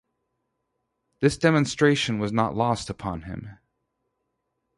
This demonstration was not lost upon him.